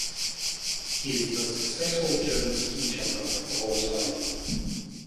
He is the most successful German ski jumper of all time.